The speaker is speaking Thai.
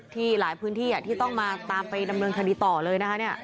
หลายพื้นที่ที่ต้องมาตามไปดำเนินคดีต่อเลยนะคะ